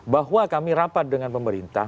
bahwa kami rapat dengan pemerintah